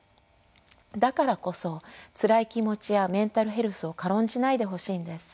だからこそつらい気持ちやメンタルヘルスを軽んじないでほしいんです。